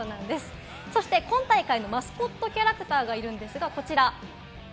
そして今大会のマスコットキャラクターがいるんですが、こちら。